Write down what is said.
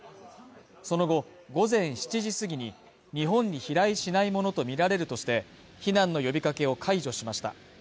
その後、午前７時過ぎに日本に飛来しないものとみられるとして、避難の呼びかけを解除しました。